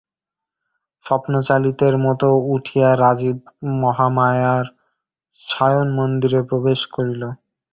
স্বপ্নচালিতের মতো উঠিয়া রাজীব মহামায়ার শয়নমন্দিরে প্রবেশ করিল।